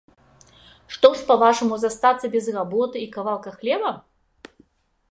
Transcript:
Што ж, па-вашаму, застацца без работы і кавалка хлеба?